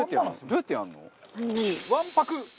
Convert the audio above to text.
どうやってやるの？